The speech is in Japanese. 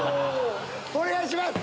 お願いします！